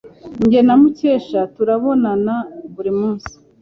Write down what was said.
Jye na Mukesha turabonana buri munsi.